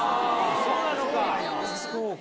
そうなのか。